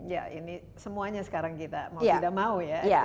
ya ini semuanya sekarang kita mau tidak mau ya